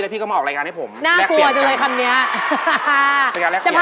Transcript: ได้ป่ะพี่ก็ดังที่กัน